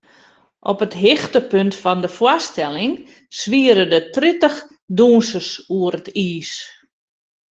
Op it hichtepunt fan de foarstelling swiere der tritich dûnsers oer it iis.